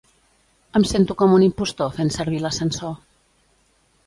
Em sento com un impostor fent servir l'ascensor.